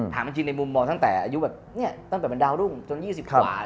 ถามจริงในมุมมองตั้งแต่อายุแบบเนี่ยตั้งแต่เป็นดาวรุ่งจน๒๐กว่า